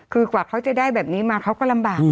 คือกว่าเขาจะได้แบบนี้มาเขาก็ลำบาก